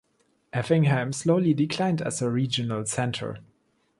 Effingham slowly declined as a regional centre.